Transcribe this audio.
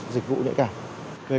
dịch vụ nhẹ càng